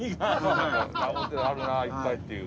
ラブホテルあるないっぱいっていう。